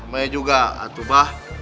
saya juga atubah